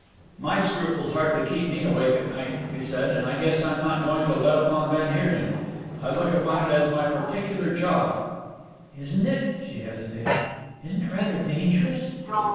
"My scruples hardly keep me awake at night," he said, "and I guess I'm not going to let up on van Heerden. I look upon it as my particular job." "Isn't it" she hesitated "isn't it rather dangerous?"